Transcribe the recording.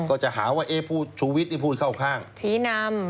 ก็จะหาว่าเอ๊ะผู้ชูวิทย์นี่พูดเข้าข้างชี้นำ